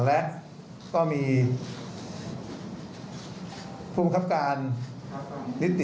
และก็มีภูมิคับการนิติ